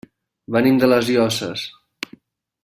Venim de les Llosses.